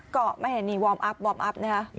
ก็ไม่เห็นนี่วอร์มอัพวอร์มอัพนะคะ